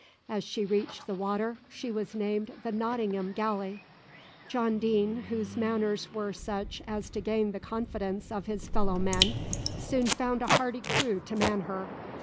As she reached the water she was named the "Nottingham Galley." John Deane, whose manners were such as to gain the confidence of his fellow men, soon found a hardy crew to man her.